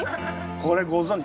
これご存じ。